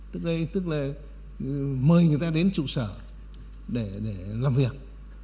tức là mời người ta đến trụ sở để làm việc